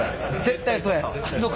絶対そうや。